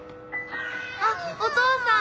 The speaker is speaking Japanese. あっお父さん！